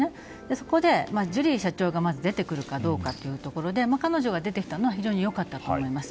そこで、ジュリー社長がまず出てくるかどうかで彼女が出てきたのは非常に良かったと思います。